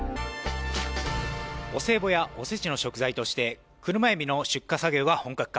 お歳暮やおせちの食材として、クルマエビの出荷作業が本格化。